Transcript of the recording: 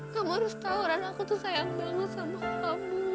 kamu harus tahu rasa aku tuh sayang banget sama allah